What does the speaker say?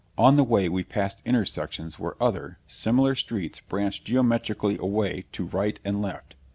On the way we passed intersections where other, similar streets branched geometrically away to right and left.